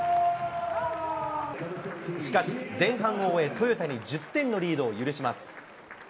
しかし、前半を終え、トヨタに１０点のリードを許します。